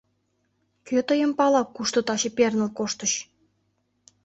Кӧ тыйым пала, кушто таче перныл коштыч!